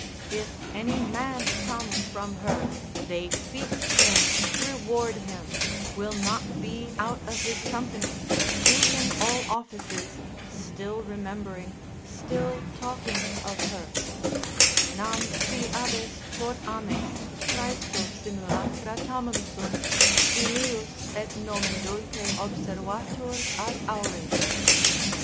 If any man come from her, they feast him, reward him, will not be out of his company, do him all offices, still remembering, still talking of her: Nam si abest quod ames, praesto simulacra tamen sunt Illius, et nomen dulce observatur ad aures.